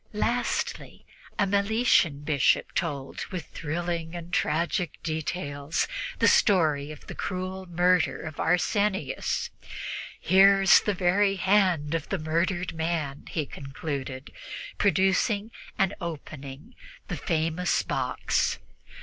Lastly, a Meletian Bishop told, with thrilling and tragic details, the story of the cruel murder of Arsenius. "Here is the very hand of the murdered man," he concluded, producing and opening the famous box.